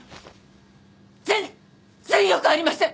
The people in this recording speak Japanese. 全然よくありません！